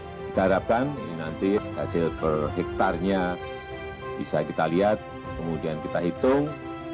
kita harapkan ini nanti hasil per hektarnya bisa kita lihat kemudian kita hitung